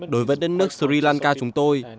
đối với đất nước sri lanka chúng tôi